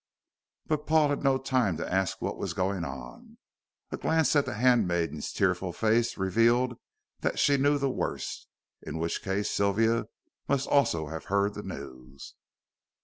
But Paul had no time to ask what was going on. A glance at the hand maiden's tearful face revealed that she knew the worst, in which case Sylvia must also have heard the news.